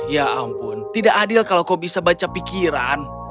ya ampun tidak adil kalau kau bisa baca pikiran